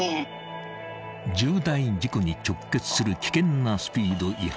［重大事故に直結する危険なスピード違反］